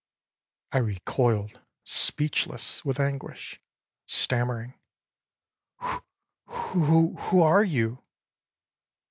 âI recoiled, speechless with anguish, stammering: ââWho who are you?